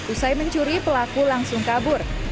usai mencuri pelaku langsung kabur